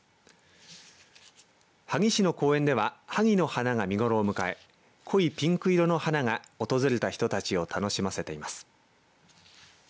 萩市の公園でははぎの花が見頃を迎え濃いピンク色の花が訪れた人たちを楽しませています。